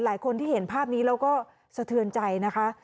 หลายคนที่เห็นภาพนี้แล้วก็สะเทือนใจนะคะ